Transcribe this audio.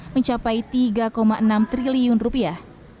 mencapai tiga enam triliun rupiah